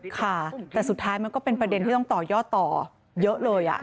ค่ะแต่สุดท้ายมันก็เป็นประเด็นที่ต้องต่อยอดต่อเยอะเลย